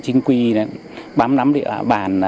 chính quy bám nắm địa bàn